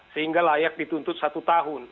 sehingga layak dituntut satu tahun